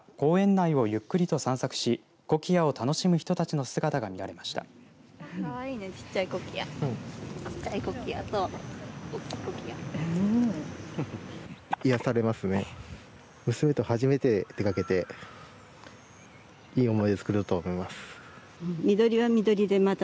きょうは秋晴れの中公園内をゆっくりと散策しコキアを楽しむ人たちの姿が見られました。